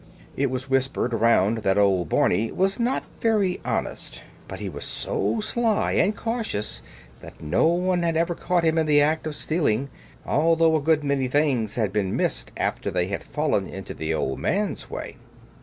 It was whispered around that old Barney was not very honest, but he was so sly and cautious that no one had ever caught him in the act of stealing, although a good many things had been missed after they had fallen into the old man's way.